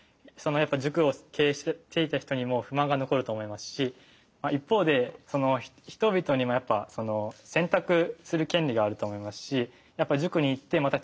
塾を経営していた人にも不満が残ると思いますし一方で人々にもやっぱ選択する権利があると思いますしやっぱ塾に行ってまた